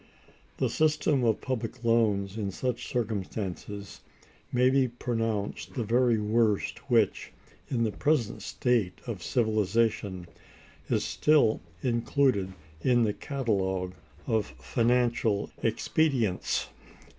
The system of public loans, in such circumstances, may be pronounced the very worst which, in the present state of civilization, is still included in the catalogue of financial expedients.